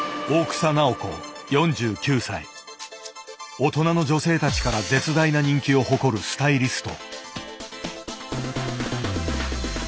大人の女性たちから絶大な人気を誇るスタイリスト。